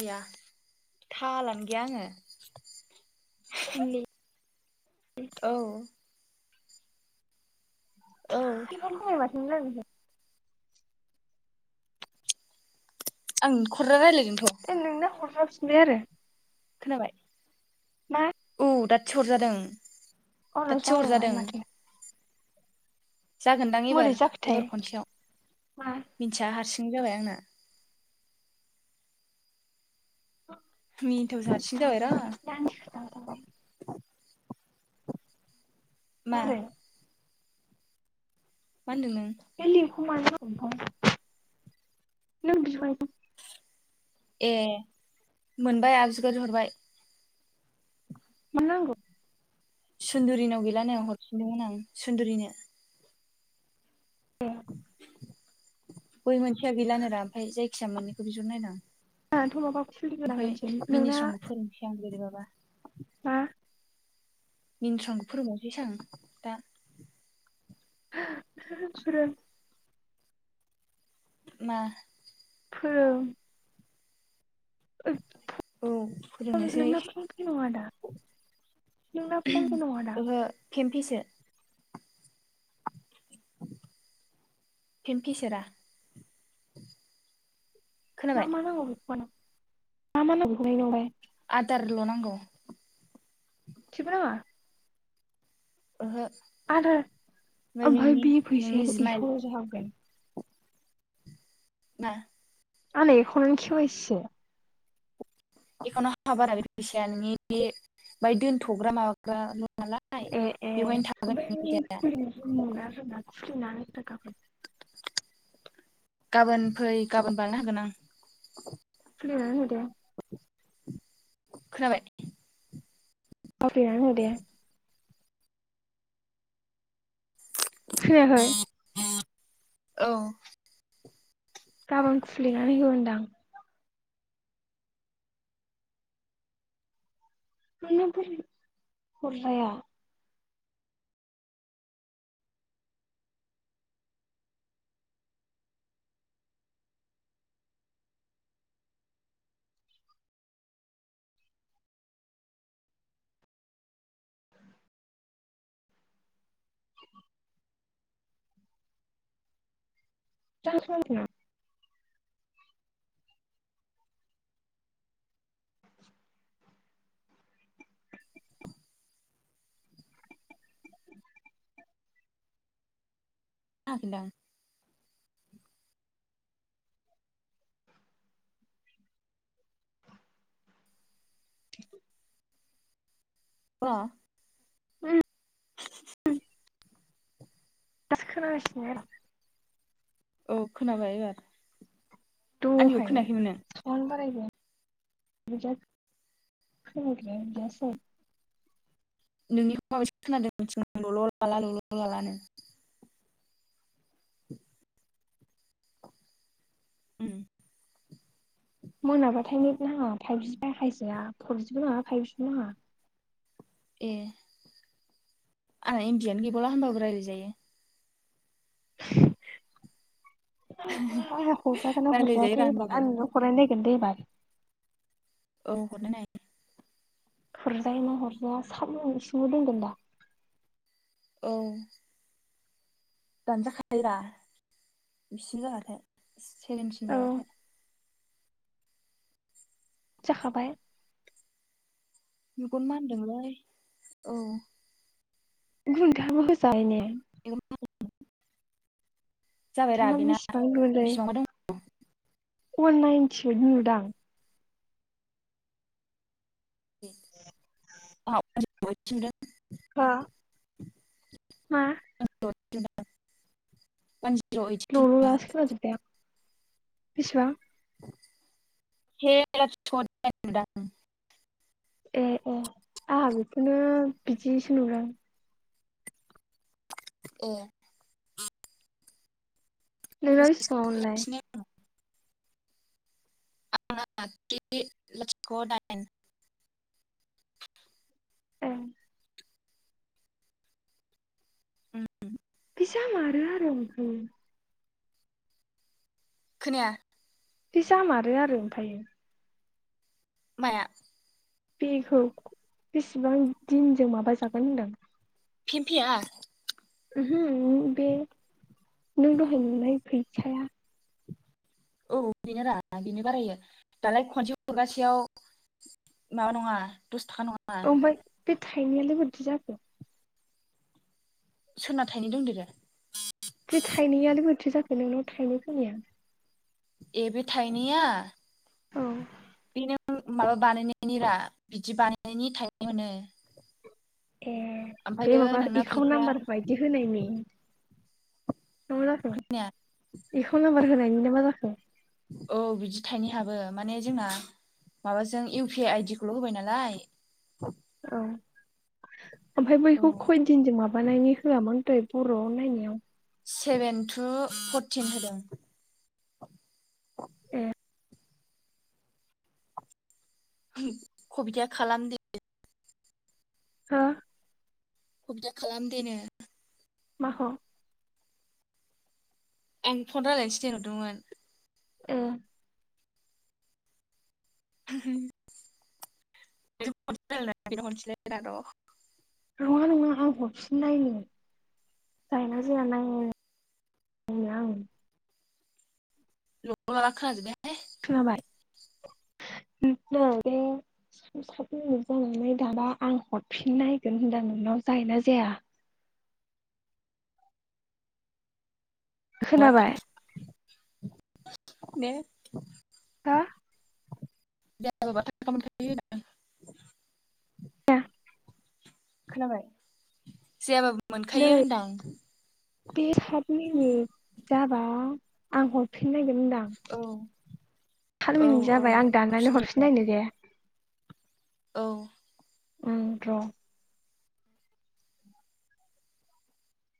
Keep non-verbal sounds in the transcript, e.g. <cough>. आया थालानो गैया आङो <unintelligible> औ औ <unintelligible> <unintelligible> आं खुरा राय <unintelligible> नो आरो खोनाबाय मा औ दा थिहर जादों। होनलाय माथो जागोनदां मोरै एबार जाखोथाय एबार खनसेयाव मा मिन्थिया हारसिं नो जाबाय आंना। <unintelligible> <unintelligible> ‌ हारसिं जाबाय र मारै मा होनदों नों? <unintelligible> नों बिबाय? ए मोनबाय आजुगाज्रि हरबाय। होननांगौ। सुन्दरिनाव गैला नायाव हरफिनदोंमोन आं सुन्दरिनो ए <inaudible> गय मोनसेया गैला नों रा ओमफ्राय जाय फिसा मोननैखौबो बिहरनायदों आं आ थमाबावखौ सोलिगोनांगोनसिम नोंना मिनिस्रांखौ फोरोंनोसै आं बोरैबाबा मा मिनस्रां फोरोंबावनोसै आं दा <unintelligible> मा फोरों औ फोरोंनोसै नोंना फन नङा आदा नोंना फननि नङादा केम्फिसो फिमकिसेरा मा खोनाबाय मा नांगौ <unintelligible> <unintelligible> दारल' नांगौ सिबो नाङा ओहो आदार ओमफ्राय भाय नोंनि बि फैसा नोंनि जिमाइल आरो <unintelligible> <unintelligible> आंना एखावनानो केवाइसिसो एखननो हा बारा बे फैसाया नोंनि बे बाय दोनथ'ग्रा माबाग्रा फैसाया <unintelligible> थाखा फै गाबोन फै गाबोन बानायना हागोन आं खुलिनानै होदे खोनाबाय <unintelligible> खोनायाखै औ गाबोन खुलिनानै हो होनदां <unintelligible> <unintelligible> <unintelligible> <inaudible> अ उम <inaudible> दासो खोनागासिनो आरो अ खोनाबाय एबार आंनिखौ खोनायाखैमोन नों दहाय <inaudible> नोंनिखौ माबैसे खोनादोंं ल' ल लाला ल'ल' लालानो। उम मोनाबाथाय नेट नाङा फाइभजि बाहायजाया फरजिबो नाङा फाइभजिबो नाङा। ए आंहा इमबियानो गैबावला होनबाबो रायलायजायो <inaudible> रायलायजायो रा होनबाबो <unintelligible> <unintelligible> औ हरना नाय हरजायो मा हरजाया <unintelligible> दोनगोन दा औ दानजाखायोरा बिसे जाबाथाय सेबेन्टिन औ जाबाथाय जाखाबाय मेगन मानदोंलै औ <unintelligible> <unintelligible> जाबायरा नोंहा बिना बेसेबां गोलै बेसिबां दं अवान नायेनटिओइट नुदां <inaudible> <unintelligible> हो <inaudible> हा <unintelligible> ल ल लालासो खोनाजोबबाय आं बिसिबां हे <unintelligible> ए ए आंहा बेखौनो बिदिसो नुदों ए नोंना‌ मेसेज बिसिबाङाव मोनलाय खालामफैगासिनो <unintelligible> <unintelligible> ए <unintelligible> जामारो आरो ओमफायो खोनाया बेजामारो आरो ओमफाय माया बेखौ बेसेबां दिनजों माबाजागोन होनदों फेमफेया ओमहो <inaudible> नों दहाय नुनाय फैसाया औ बेनो रा बेनो बारायो दालाय खनसे थुगासेयाव माबा नङा दस थाखा नङा ओमफ्राय बे थाइनायालाय मारैथो जाखो सोरना थाइनै दंदेरो। बे थाइनैआलाय बोरैथो जाखो नोंनाव थाइनै फैनाया? ए बे थायनैया औ बेनो माबा बानायनायनि रा बिदि बानायनायनि थाइनै मोनो। ए बे ओमफ्रायो माबा नोंना एकाउन्ट फैसाया नाम्बार बायदि होनायनि। मा मा जाखो जोंनिया एखौ नाम्बार होनायनिनो मा जाखो? औ बिदि थाइनै हाबो माने जोंना माबाजों इउ प आइ आइडि खौल' होबाय नालाय <inaudible> ओमफ्राय औ बैखौ खयदिनजों माबानायनि होआ मोन दहाय बर'आव नायनायाव। सेभेन टु फरटिन होदों। ए कबिथाया खालाम <unintelligible> हा? कबिटा खालामदे नो माखौ आं फन रायजलायनोसो दे होनहरदोंमोन। ए <inaudible> <unintelligible> नङा नङा आं हरफिन नायो जायोना जाया नायोनो आं ल' ला ला खोना जोबबाय हाय खोनाबाय बे सात मिनिट जानानै दाना आं हरफिन नायगोन होनदां नोंनाव जायो ना जाया? खोनाबाय? दे हा? <unintelligible> खोनाबाय जायाबा नै मोनखायो होनदां। बे हाबमेनि जाबा आं हरफि हरफिननायगोन होनदां औ सार औ मिनिट औ जाबाय आं दानानै हरफिनदो हरफिननायनो दे। औ। उम र'।